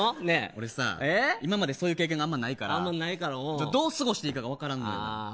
今までそういう経験があんまりないからどう過ごしていいか分からない。